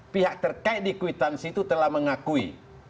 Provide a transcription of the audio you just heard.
pihak terkait di kwitansi itu telah mengakui